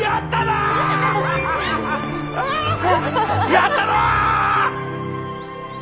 やったぞ！